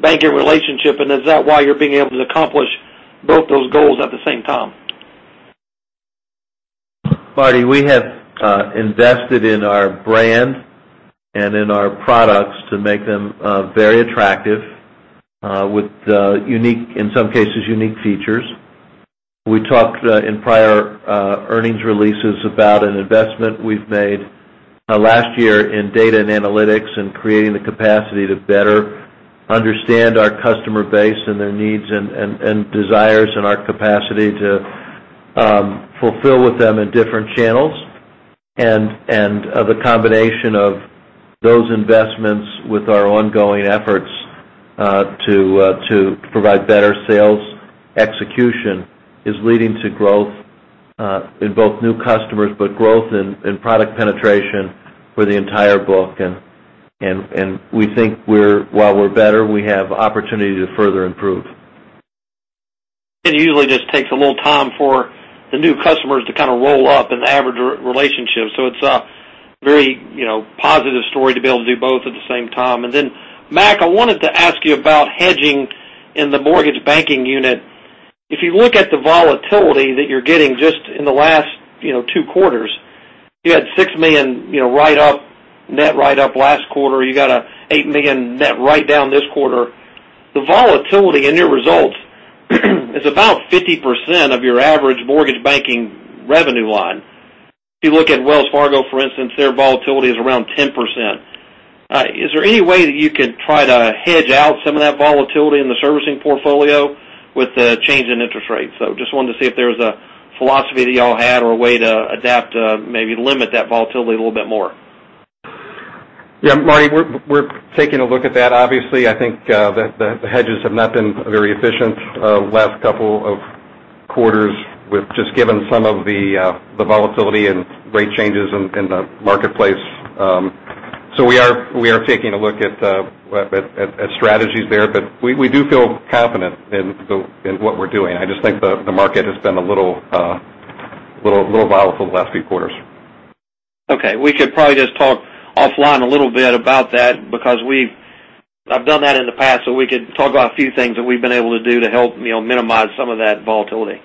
banking relationship, and is that why you're being able to accomplish both those goals at the same time? Marty, we have invested in our brand and in our products to make them very attractive, with, in some cases, unique features. We talked in prior earnings releases about an investment we've made last year in data and analytics and creating the capacity to better understand our customer base and their needs and desires and our capacity to fulfill with them in different channels. The combination of those investments with our ongoing efforts to provide better sales execution is leading to growth in both new customers, but growth in product penetration for the entire book. We think while we're better, we have opportunity to further improve. It usually just takes a little time for the new customers to kind of roll up an average relationship. It's a very positive story to be able to do both at the same time. Mac, I wanted to ask you about hedging in the mortgage banking unit. If you look at the volatility that you're getting just in the last two quarters, you had $6 million net write-up last quarter, you got an $8 million net write-down this quarter. The volatility in your results is about 50% of your average mortgage banking revenue line. If you look at Wells Fargo, for instance, their volatility is around 10%. Is there any way that you could try to hedge out some of that volatility in the servicing portfolio with the change in interest rates? Just wanted to see if there was a philosophy that y'all had or a way to adapt to maybe limit that volatility a little bit more. Yeah, Marty, we're taking a look at that. Obviously, I think the hedges have not been very efficient last couple of quarters with just given some of the volatility and rate changes in the marketplace. We are taking a look at strategies there, but we do feel confident in what we're doing. I just think the market has been a little volatile the last few quarters. Okay. We could probably just talk offline a little bit about that because I've done that in the past, we could talk about a few things that we've been able to do to help minimize some of that volatility.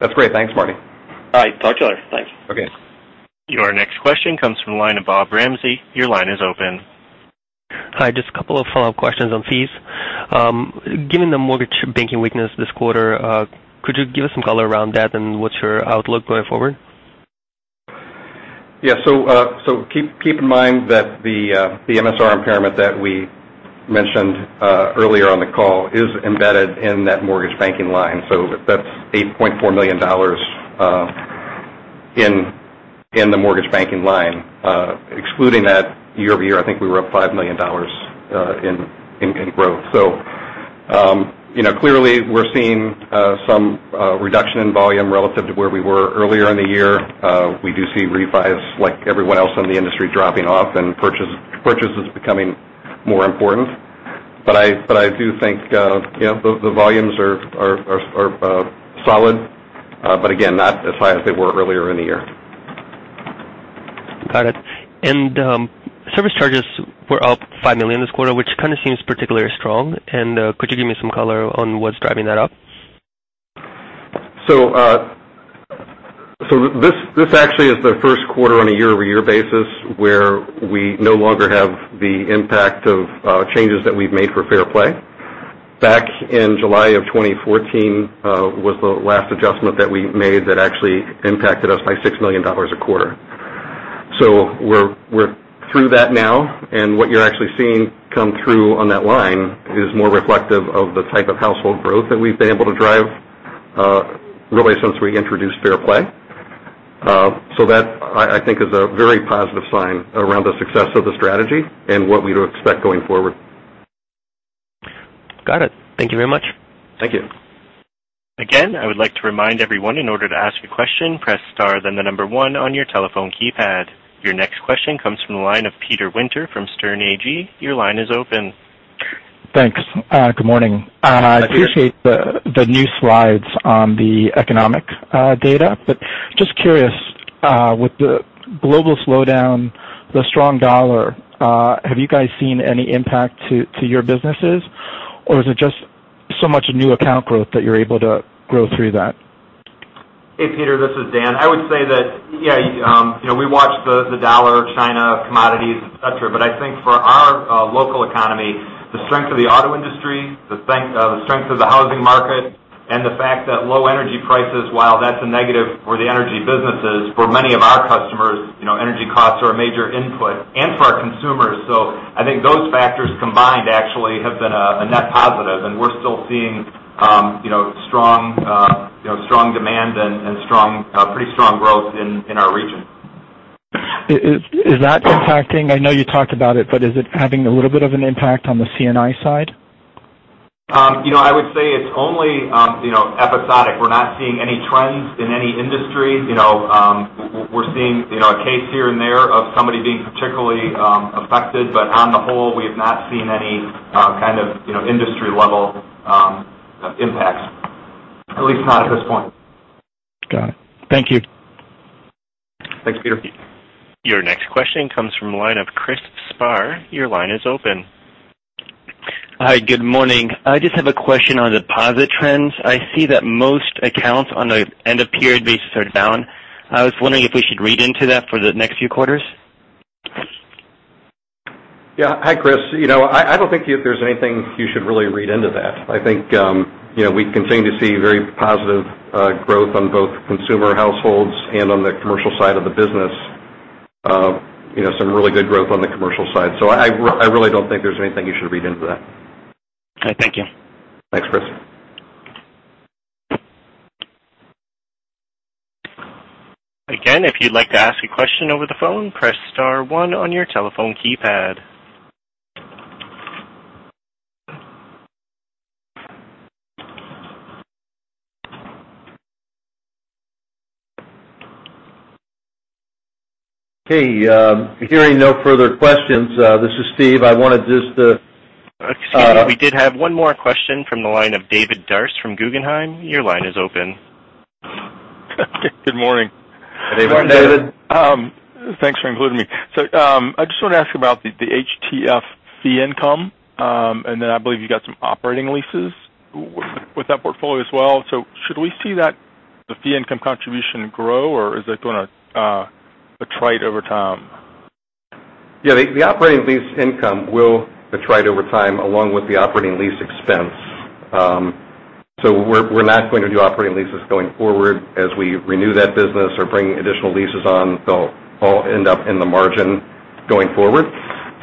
That's great. Thanks, Marty. All right. Talk to you later. Thanks. Okay. Your next question comes from the line of Bob Ramsey. Your line is open. Hi. Just a couple of follow-up questions on fees. Given the mortgage banking weakness this quarter, could you give us some color around that and what's your outlook going forward? Keep in mind that the MSR impairment that we mentioned earlier on the call is embedded in that mortgage banking line. That's $8.4 million in the mortgage banking line. Excluding that year-over-year, I think we were up $5 million in growth. Clearly, we're seeing some reduction in volume relative to where we were earlier in the year. We do see refis, like everyone else in the industry, dropping off and purchases becoming more important. I do think the volumes are solid. Again, not as high as they were earlier in the year. Got it. Service charges were up $5 million this quarter, which kind of seems particularly strong. Could you give me some color on what's driving that up? This actually is the first quarter on a year-over-year basis where we no longer have the impact of changes that we've made for Fair Play. Back in July of 2014, was the last adjustment that we made that actually impacted us by $6 million a quarter. We're through that now, and what you're actually seeing come through on that line is more reflective of the type of household growth that we've been able to drive really since we introduced Fair Play. That, I think, is a very positive sign around the success of the strategy and what we would expect going forward. Got it. Thank you very much. Thank you. Again, I would like to remind everyone, in order to ask a question, press star then the number one on your telephone keypad. Your next question comes from the line of Peter Winter from Sterne Agee. Your line is open. Thanks. Good morning. Hi, Peter. I appreciate the new slides on the economic data. Just curious, with the global slowdown, the strong dollar, have you guys seen any impact to your businesses, or is it just so much new account growth that you're able to grow through that? Hey, Peter, this is Dan. I would say that, yeah, we watch the dollar, China, commodities, et cetera. I think for our local economy, the strength of the auto industry, the strength of the housing market, and the fact that low energy prices, while that's a negative for the energy businesses, for many of our customers, energy costs are a major input and for our consumers. I think those factors combined actually have been a net positive, and we're still seeing strong demand and pretty strong growth in our region. Is that impacting, I know you talked about it, is it having a little bit of an impact on the C&I side? I would say it's only episodic. We're not seeing any trends in any industry. We're seeing a case here and there of somebody being particularly affected, on the whole, we have not seen any kind of industry-level impacts, at least not at this point. Got it. Thank you. Thanks, Peter. Your next question comes from the line of Christopher Sparro. Your line is open. Hi, good morning. I just have a question on deposit trends. I see that most accounts on an end-of-period basis are down. I was wondering if we should read into that for the next few quarters. Yeah. Hi, Chris. I don't think there's anything you should really read into that. I think we continue to see very positive growth on both consumer households and on the commercial side of the business. Some really good growth on the commercial side. I really don't think there's anything you should read into that. All right, thank you. Thanks, Chris. Again, if you'd like to ask a question over the phone, press star one on your telephone keypad. Okay. Hearing no further questions, this is Steve. Excuse me. We did have one more question from the line of David Darst from Guggenheim. Your line is open. Good morning. Good morning, David. Thanks for including me. I just want to ask about the HTF fee income, and then I believe you got some operating leases with that portfolio as well. Should we see that the fee income contribution grow, or is it going to attrite over time? Yeah, the operating lease income will attrite over time, along with the operating lease expense. We're not going to do operating leases going forward. As we renew that business or bring additional leases on, they'll all end up in the margin going forward.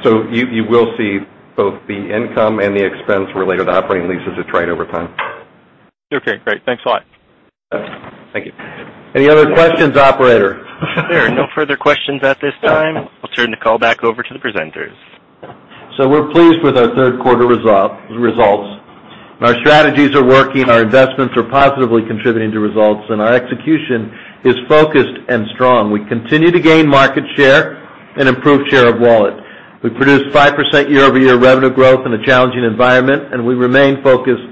You will see both the income and the expense related to operating leases attrite over time. Okay, great. Thanks a lot. Thank you. Any other questions, operator? There are no further questions at this time. I'll turn the call back over to the presenters. We're pleased with our third quarter results. Our strategies are working, our investments are positively contributing to results, and our execution is focused and strong. We continue to gain market share and improve share of wallet. We produced 5% year-over-year revenue growth in a challenging environment, and we remain focused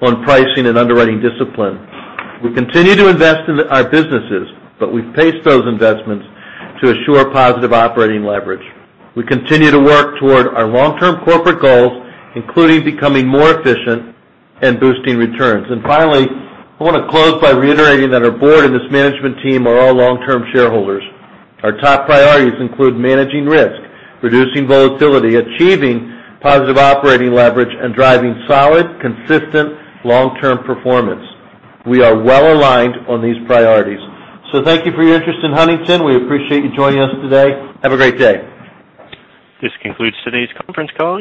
on pricing and underwriting discipline. We continue to invest in our businesses, but we pace those investments to assure positive operating leverage. We continue to work toward our long-term corporate goals, including becoming more efficient and boosting returns. Finally, I want to close by reiterating that our board and this management team are all long-term shareholders. Our top priorities include managing risk, reducing volatility, achieving positive operating leverage, and driving solid, consistent long-term performance. We are well-aligned on these priorities. Thank you for your interest in Huntington. We appreciate you joining us today. Have a great day. This concludes today's conference call.